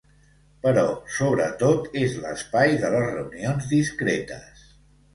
Però sobretot és l’espai de les reunions discretes.